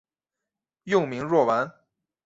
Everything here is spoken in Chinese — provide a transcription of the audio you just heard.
幼名若丸。